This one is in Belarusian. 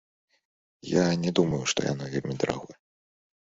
Я не думаю, што яно вельмі дарагое.